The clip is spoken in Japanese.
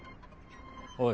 おい。